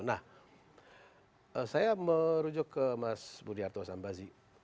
nah saya merujuk ke mas budiarto sambazi